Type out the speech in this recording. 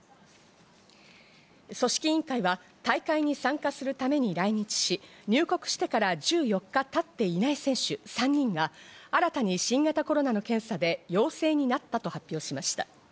組織委員会は大会に参加するために来日し、入国してから１４日経っていない選手３人が新たに新型コロナの検査で陽性になったと発表しました。